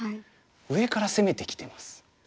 上から攻めてきてます。